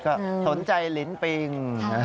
ก็สนใจลิ้นปิง